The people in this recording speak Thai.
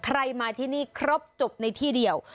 ใครมาที่นี่ครบจบในที่เดียว